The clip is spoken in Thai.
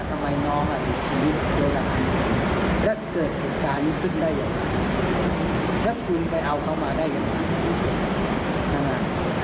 ทีมีหุ้นเผานะมาเอากับกำบังนะ